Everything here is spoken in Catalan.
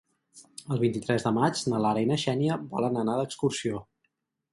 El vint-i-tres de maig na Lara i na Xènia volen anar d'excursió.